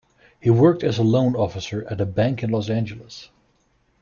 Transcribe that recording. He worked as a loan officer at a bank in Los Angeles.